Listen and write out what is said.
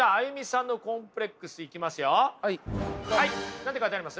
何て書いてあります？